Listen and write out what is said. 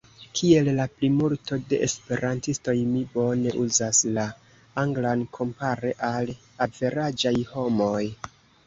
Kiel la plimulto de Esperantistoj, mi bone uzas la Anglan kompare al averaĝaj homoj.